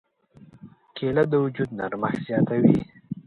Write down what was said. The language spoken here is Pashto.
کېله د وجود نرمښت زیاتوي.